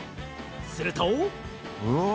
すると。